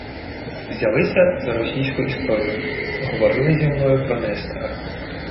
«Взялися за Російську Історію; говорили зі мною про Нестора